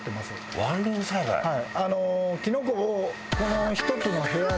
はい。